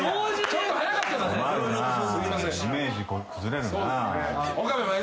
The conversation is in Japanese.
イメージこれ崩れるな。